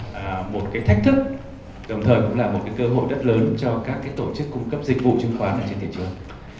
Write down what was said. là một cái thách thức đồng thời cũng là một cái cơ hội rất lớn cho các cái tổ chức cung cấp dịch vụ chứng khoán ở trên thị trường